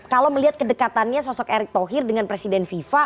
kalau melihat kedekatannya sosok erick thohir dengan presiden fifa